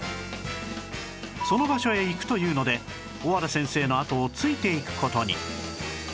その場所へ行くというので小和田先生の後をついていく事に